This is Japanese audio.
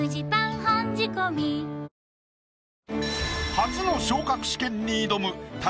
初の昇格試験に挑むこちら。